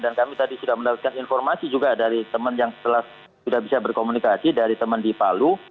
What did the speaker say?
kami tadi sudah mendapatkan informasi juga dari teman yang setelah sudah bisa berkomunikasi dari teman di palu